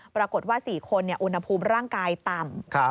ปรากฏว่า๔คนอุณหภูมิร่างกายต่ำ